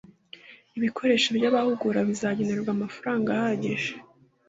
ibikoresho by'abahugura bizagenerwa amafaranga ahagije